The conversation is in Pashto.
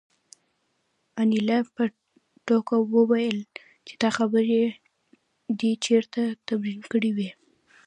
انیلا په ټوکه وویل چې دا خبرې دې چېرته تمرین کړې وې